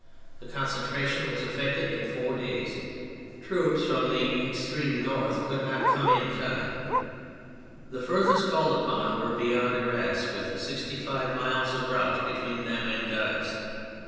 The concentra tion was effected in four days. Troops from the extreme north could not come in time. The furthest called upon were beyond Arras, with sixty five miles of route between them and Guise.